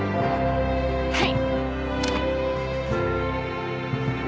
はい！